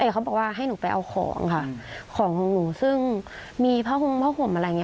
เขาบอกว่าให้หนูไปเอาของค่ะของของหนูซึ่งมีผ้าห่มผ้าห่มอะไรอย่างนี้